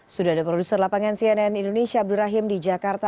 sudah ada produser lapangan cnn indonesia abdurrahim di jakarta